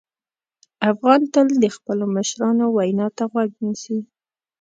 افغان تل د خپلو مشرانو وینا ته غوږ نیسي.